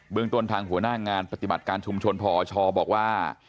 เมืองต้นทางหัวหน้างานปฏิบัติการชุมชนพชบอกว่า